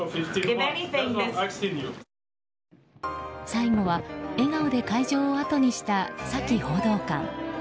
最後は笑顔で会場をあとにしたサキ報道官。